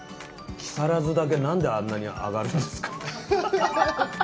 木更津だけなんであんなに上がるんですか？